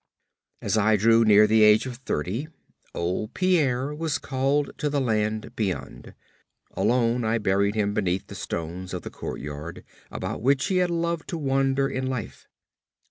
As I drew near the age of thirty, old Pierre was called to the land beyond. Alone I buried him beneath the stones of the courtyard about which he had loved to wander in life.